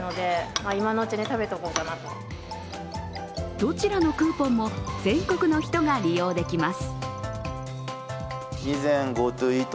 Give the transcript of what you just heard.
どちらのクーポンも全国の人が利用できます。